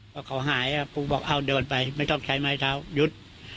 พอเขาหายปูบอกเอาเดินไปไม่ต้องใช้ไม้เท้ายุด